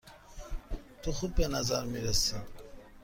تو خوب به نظر می رسی.